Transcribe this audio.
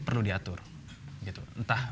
perlu diatur gitu entah